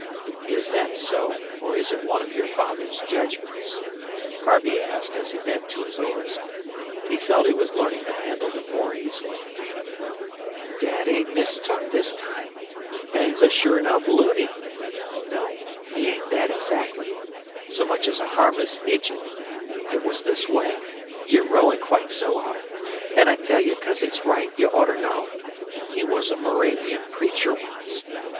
"Is that so, or is it one of your father's judgments?" Harvey asked as he bent to his oars. He felt he was learning to handle them more easily. "Dad ain't mistook this time. Penn's a sure 'nuff loony." "No, he ain't thet exactly, so much ez a harmless ijut. It was this way (you're rowin' quite so, Harve), an' I tell you 'cause it's right you orter know. He was a Moravian preacher once.